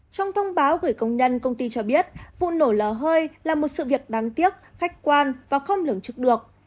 trong thông báo gửi công nhân công ty cho biết vụ nổ lò hơi là một sự việc đáng tiếc khách quan và không lưỡng chức được